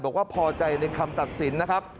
บอกว่าพอใจในคำตัดสินนะครับ